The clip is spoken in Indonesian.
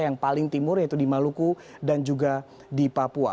yang paling timur yaitu di maluku dan juga di papua